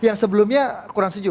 yang sebelumnya kurang sejuk